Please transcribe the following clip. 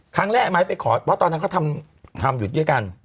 ไอ้ไม้ไปขอเพราะตอนนั้นเขาทำอยู่ด้วยกัน